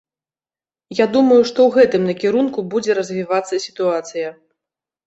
Я думаю, што ў гэтым накірунку будзе развівацца сітуацыя.